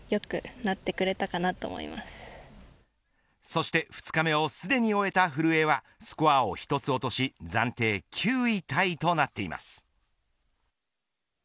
そして２日目をすでに終えた古江はスコアを１つ落とし暫定９位タイとなっています。